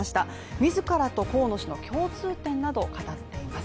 自らと河野氏の共通点などを語っています。